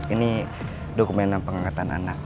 ini dokumen pengangkatan anak